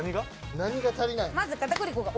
何が足りない？